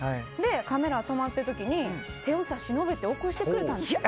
カメラが止まってる時に手を差し伸べて起こしてくれたんですよ。